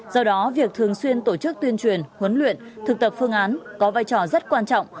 do đó việc thường xuyên tổ chức tuyên truyền huấn luyện thực tập phương án có vai trò rất quan trọng